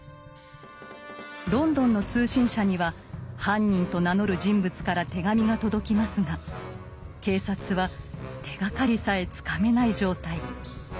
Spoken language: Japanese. ロンドンの通信社には犯人と名乗る人物から手紙が届きますが警察は手がかりさえつかめない状態。